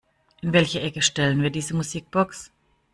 In welche Ecke stellen wir diese Musikbox?